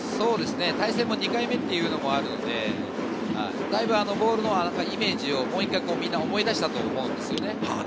対戦が２回目ということもあるので、だいぶボールのイメージをみんな思い出したと思うんです。